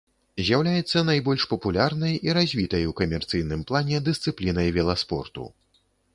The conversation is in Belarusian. З'яўляецца найбольш папулярнай і развітай у камерцыйным плане дысцыплінай веласпорту.